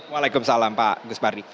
waalaikumsalam pak gus pardi